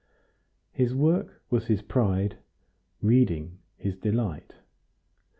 His work was his pride; reading his delight.